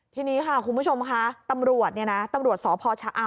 ทีนี้คุณผู้ชมค่ะตำรวจสพชอ